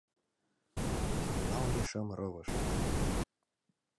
КӰРЕНАЛГЕ-ШЕМ РЫВЫЖ